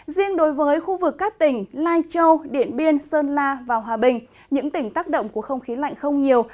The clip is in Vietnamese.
riêng đối với khu vực các tỉnh lai châu điện biên sơn la và hòa bình những tỉnh tác động của không khí lạnh không nhiều